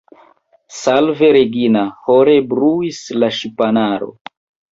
« Salve Regina » ĥore bruis la ŝipanaro.